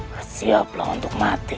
bersiaplah untuk mati